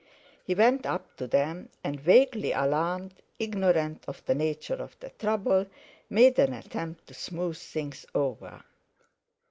He went up to them, and, vaguely alarmed, ignorant of the nature of the trouble, made an attempt to smooth things over.